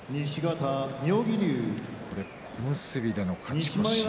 小結での勝ち越し。